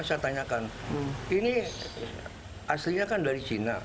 saya tanyakan ini aslinya kan dari cina